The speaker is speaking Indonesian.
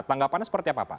tanggapannya seperti apa pak